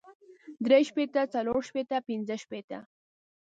درې شپېته څلور شپېته پنځۀ شپېته